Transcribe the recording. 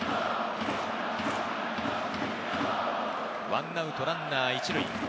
１アウト、ランナー１塁。